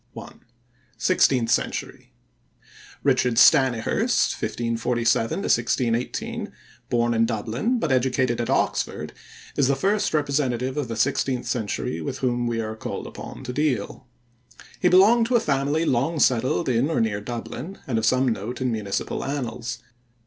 I. SIXTEENTH CENTURY. Richard Stanyhurst (1547 1618), born in Dublin but educated at Oxford, is the first representative of the sixteenth century with whom we are called upon to deal. He belonged to a family long settled in or near Dublin and of some note in municipal annals.